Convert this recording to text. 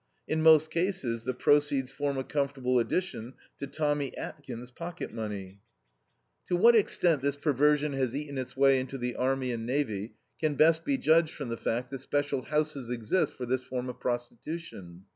In most cases the proceeds form a comfortable addition to Tommy Atkins' pocket money." To what extent this perversion has eaten its way into the army and navy can best be judged from the fact that special houses exist for this form of prostitution.